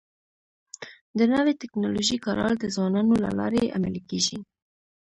د نوي ټکنالوژۍ کارول د ځوانانو له لارې عملي کيږي.